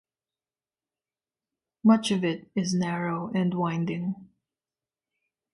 Much of it is narrow and winding.